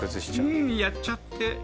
うんやっちゃって。